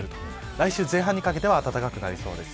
来週前半にかけては暖かくなりそうです。